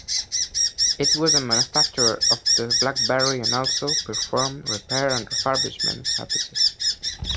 It was a manufacturer of the BlackBerry and also performed repair and refurbishment services.